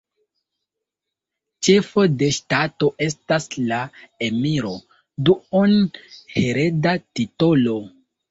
Ĉefo de ŝtato estas la Emiro, duon-hereda titolo.